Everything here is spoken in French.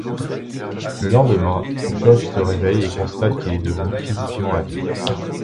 Le lendemain, Josh se réveille et constate qu'il est devenu, physiquement, adulte.